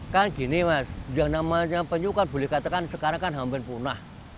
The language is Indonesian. kan gini mas yang namanya penyu kan boleh katakan sekarang kan hampir punah